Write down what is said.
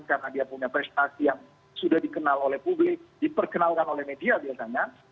karena dia punya prestasi yang sudah dikenal oleh publik diperkenalkan oleh media biasanya